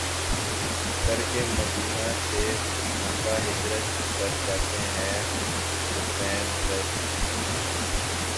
کرکے مدینہ سے مکہ ہجرت کر جاتے ہیں حسین رض